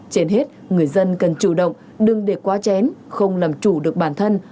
trên hết người dân cần chủ động đừng để quá chén không làm chủ được bản thân